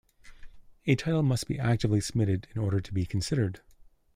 A title must be actively submitted in order to be considered.